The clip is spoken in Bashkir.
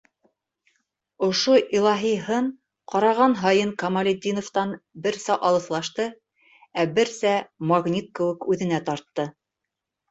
Ошо илаһи һын ҡараған һайын Камалетдиновтан берсә алыҫлашты, ә берсә магнит кеүек үҙенә тартты.